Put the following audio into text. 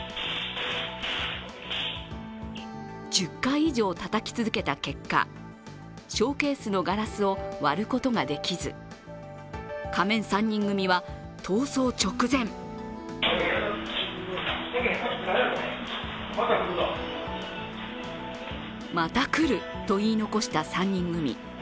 １０回以上、たたき続けた結果、ショーケースのガラスを割ることができず、仮面３人組は逃走直前「また来る」と言い残した３人組。